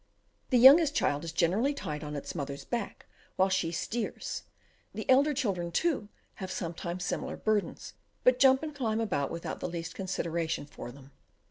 The youngest child is generally tied on its mother's back while she steers; the elder children, too, have sometimes similar burdens, but jump and climb about without the least consideration for them.